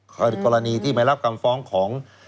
คือกรณีที่ไม่รับทรงฟ้องของ